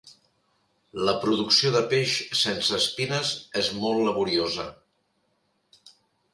La producció de peix sense espines és molt laboriosa.